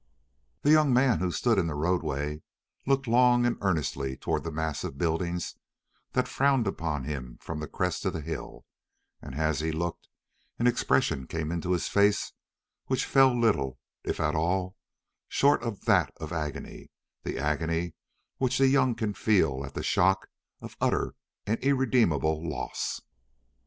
The young man who stood in the roadway looked long and earnestly towards the mass of buildings that frowned upon him from the crest of the hill, and as he looked an expression came into his face which fell little, if at all, short of that of agony, the agony which the young can feel at the shock of an utter and irredeemable loss.